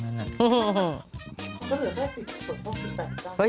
ก็เหลือแค่๑๐ช่องช่อง๑๘ช่อง